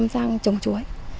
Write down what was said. bảy mươi sang trồng chuối